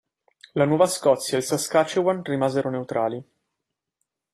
La Nuova Scozia e il Saskatchewan rimasero neutrali.